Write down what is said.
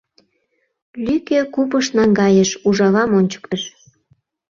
Лӱкӧ купыш наҥгайыш, ужавам ончыктыш...